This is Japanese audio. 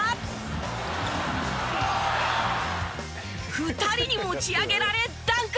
２人に持ち上げられダンク。